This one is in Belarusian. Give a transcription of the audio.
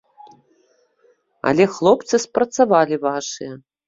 Але хлопцы спрацавалі вашыя.